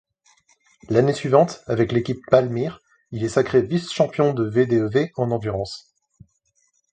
L'année suivante, avec l'équipe Palmyr, il est sacré vice-champion de VdeV en endurance.